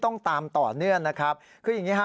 ต้องตามต่อเนื่องนะครับคืออย่างนี้ฮะ